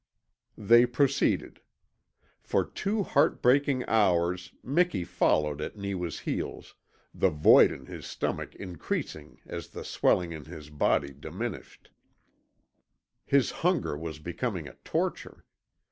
They proceeded. For two heartbreaking hours Miki followed at Neewa's heels, the void in his stomach increasing as the swelling in his body diminished. His hunger was becoming a torture.